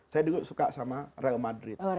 saya dulu suka sama real madrid